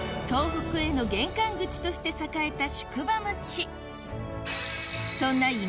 東北への玄関口として栄えた宿場町そんな